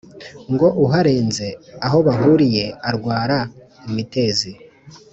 ngo uharenze aho bahuriye arwara imitezi.